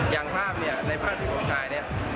อย่างภาพในภาษีบรมถ่าย